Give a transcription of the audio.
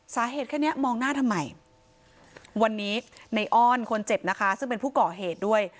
แค่นี้มองหน้าทำไมวันนี้ในอ้อนคนเจ็บนะคะซึ่งเป็นผู้ก่อเหตุด้วย